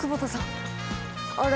あれ？